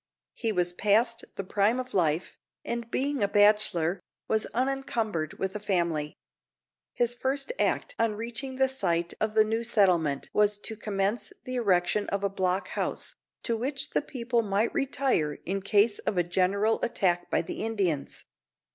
He was past the prime of life, and being a bachelor, was unencumbered with a family. His first act on reaching the site of the new settlement was to commence the erection of a block house, to which the people might retire in case of a general attack by the Indians.